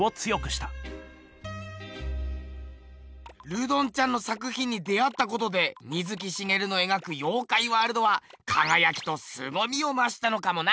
ルドンちゃんの作ひんに出会ったことで水木しげるの描く妖怪ワールドはかがやきとすごみをましたのかもな。